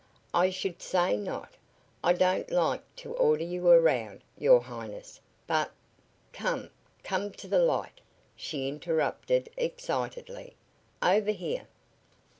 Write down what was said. "I should say not! I don't like to order you around, your Highness, but " "Come come to the light!" she interrupted, excitedly. "Over here!"